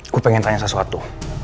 gue pengen tanya sesuatu